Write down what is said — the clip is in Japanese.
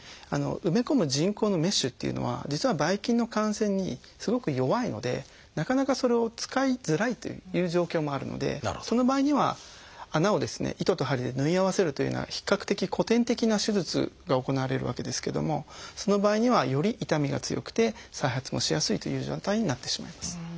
埋め込む人工のメッシュっていうのは実はばい菌の感染にすごく弱いのでなかなかそれを使いづらいという状況もあるのでその場合には穴をですね糸と針で縫い合わせるというような比較的古典的な手術が行われるわけですけどもその場合にはより痛みが強くて再発もしやすいという状態になってしまいます。